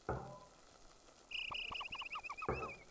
আহমেদকে শেষ লোকেশন পাঠাও।